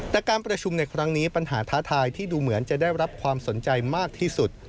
แต่การประชุมในครั้งนี้ปัญหาท้าทายที่ดูเหมือนจะได้รับความสนใจมากที่สุด